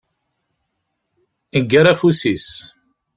Yeggar afus-is.